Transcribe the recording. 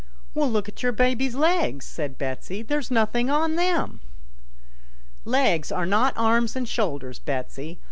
"Well, look at your baby's legs," said Betsy; " there's nothing on them." " Legs are not arms and shoulders, Betsy.